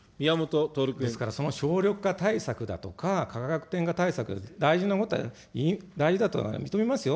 ですから、その省力化対策だとか、価格転嫁対策、大事だとは認めますよ。